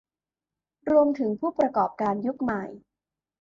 รวมถึงผู้ประกอบการยุคใหม่